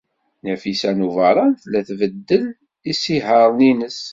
Nafisa n Ubeṛṛan tella tbeṭṭel isihaṛen-nnes.